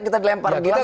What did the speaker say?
kita dilempar gelas